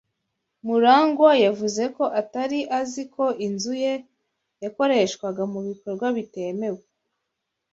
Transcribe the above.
MuragwA yavuze ko atari azi ko inzu ye yakoreshwaga mu bikorwa bitemewe.